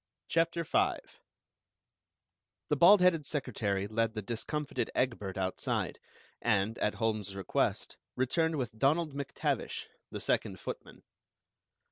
CHAPTER V The bald headed secretary led the discomfited Egbert outside, and, at Holmes's request, returned with Donald MacTavish, the second footman.